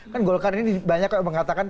kan golkar ini banyak mengatakan